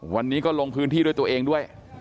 วันนี้ก็ลงพื้นที่ด้วยตัวเองด้วย